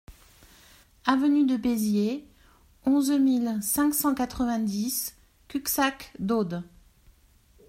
Avenue de Béziers, onze mille cinq cent quatre-vingt-dix Cuxac-d'Aude